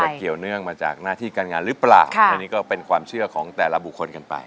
เกี่ยวเนื่องมาจากหน้าที่การงานหรือเปล่าอันนี้ก็เป็นความเชื่อของแต่ละบุคคลกันไป